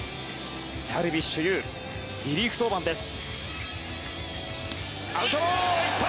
ダルビッシュ有リリーフ登板です。